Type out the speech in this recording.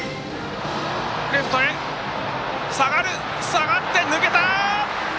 下がって、抜けた！